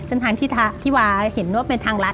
เส้นทางที่วาเห็นว่าเป็นทางรัฐ